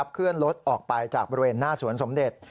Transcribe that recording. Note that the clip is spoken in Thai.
เคลื่อนรถออกไปจากบริเวณหน้าสวนสมเด็จ